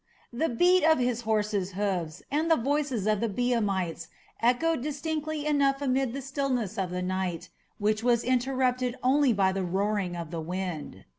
The beat of his horse's hoofs and the voices of the Biamites echoed distinctly enough amid the stillness of the night, which was interrupted only by the roaring of the wind.